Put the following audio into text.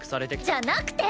じゃなくて！